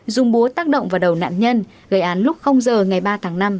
dùng búa tác động vào đầu nạn nhân gây án lúc giờ ngày ba tháng năm